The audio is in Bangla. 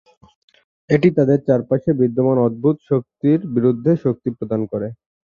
এটি তাদের চারপাশে বিদ্যমান অদ্ভুত শক্তির বিরুদ্ধে শক্তি প্রদান করে।